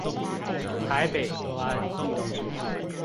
台北端